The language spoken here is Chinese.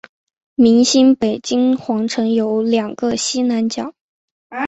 明清北京皇城有两个西南角。